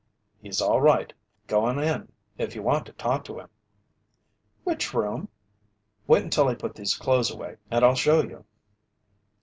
"He's all right. Go on in if you want to talk to him." "Which room?" "Wait until I put these clothes away and I'll show you."